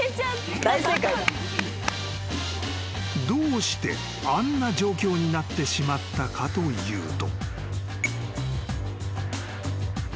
［どうしてあんな状況になってしまったかというと］